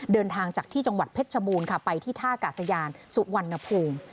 เดินทางจากที่จังหวัดเพชรชบูรณ์ค่ะไปที่ท่ากาศยานสุวรรณภูมิ